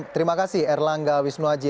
terima kasih erlangga wisnuaji